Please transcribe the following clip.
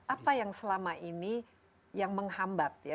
apa yang selama ini yang menghambat ya